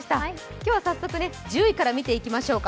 今日は早速１０位から見ていきましょうか。